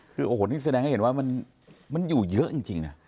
คือโอ้โหนี่แสดงให้เห็นว่ามันอยู่เยอะจริงนะ